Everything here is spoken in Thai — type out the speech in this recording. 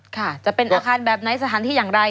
ค่ะจะเป็นอาคารแบบไหนสถานที่อย่างไร